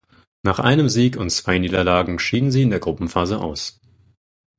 Nach einem Sieg und zwei Niederlagen schieden sie in der Gruppenphase aus.